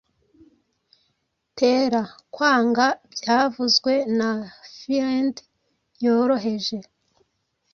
Tera kwanga, byavuzwe na Fiend yoroheje,